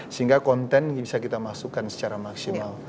sehingga konten bisa kita masukkan secara maksimal